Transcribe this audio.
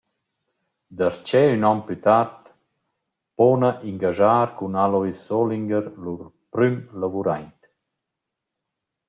Darcheu ün on plü tard pona ingaschar cun Alois Solinger lur prüm lavuraint.